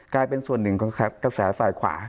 กลายเป็นส่วนหนึ่งของกระแสฝ่ายขวา